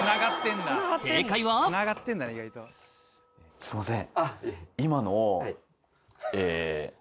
すいません。